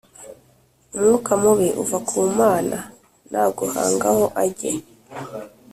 umwuka mubi uva ku Mana naguhangaho ajye